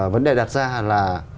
vấn đề đặt ra là